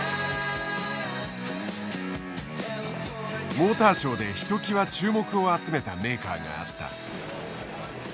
モーターショーでひときわ注目を集めたメーカーがあった。